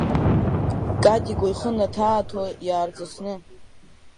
Катико ихы наҭааҭо иаарҵысны.